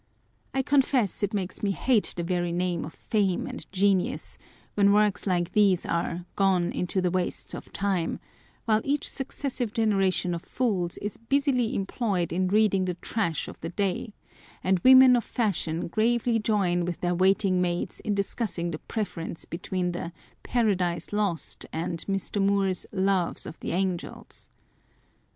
I confess it makes me hate the very name of Fame and Genius, when works like these are " gone into the wastes of time," while each successive generation of fools is busily employed in reading the trash of the day, and women of fashion gravely 186 On the Pleasure of Hating. join with their waiting maids in discussing the preference between the Paradise Lost and Mr. Moore's Loves of the Angels.